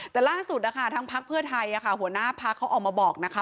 แต่ล่าสุดนะคะทางพักเพื่อไทยหัวหน้าพักเขาออกมาบอกนะคะ